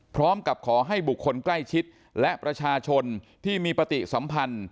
พร้อมกับขอให้บุคคลใกล้ชิดและประชาชนที่มีปฏิสัมพันธ์